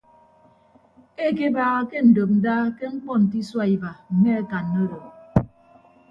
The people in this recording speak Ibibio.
Ekebaaha ke ndopnda ke ñkpọ nte isua iba mme akanna odo.